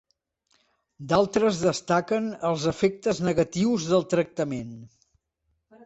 D'altres destaquen els efectes negatius del tractament.